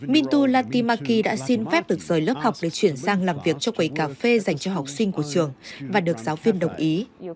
mintu latimaki đã xin phép được rời lớp học để chuyển sang làm việc cho quầy cà phê dành cho học sinh của trường và được giáo viên đồng ý